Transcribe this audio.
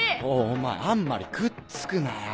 お前あんまりくっつくなや。